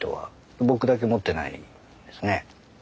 僕だけ持ってないんですね。